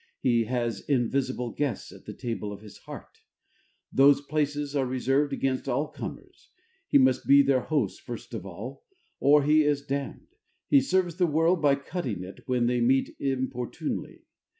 He has invisible guests at the table of his heart: those places are reserved against all comers. He must be their host first of all, or he is damned. He serves the world by cutting it when they meet inopportunely.